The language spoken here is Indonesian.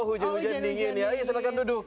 oh hujan hujan dingin ya silahkan duduk